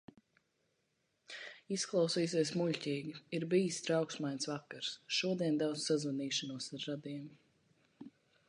Izklausīsies muļķīgi. Ir bijis trauksmains vakars. Šodien daudz sazvanīšanos ar radiem.